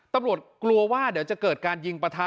ตำรวจกลัวว่าเดี๋ยวจะเกิดการยิงประทะ